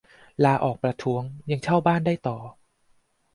ลาออกประท้วง ยังเช่าบ้านได้ต่อ